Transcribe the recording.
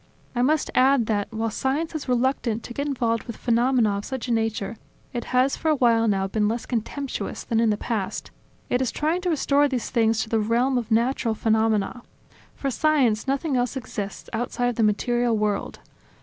I must add that, while science is reluctant to get involved with phenomena of such a nature, it has for a while now been less contemptuous than in the past: it is trying to restore these things to the realm of natural phenomena. For science, nothing else exists outside of the material world.